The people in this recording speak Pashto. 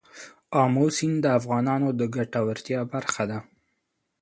آمو سیند د افغانانو د ګټورتیا برخه ده.